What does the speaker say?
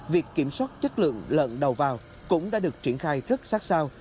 việc kiểm soát chất lượng lợn đầu vào cũng đã được triển khai rất sát sao